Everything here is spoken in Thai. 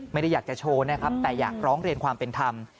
ไม่ได้อยากจะโชว์นะครับแต่อยากร้องเรียนความเป็นธรรม